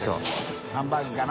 ハンバーグかな？